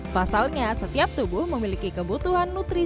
pasalnya seharusnya kita memasak dengan gizi yang terkandung dalam makanan tersebut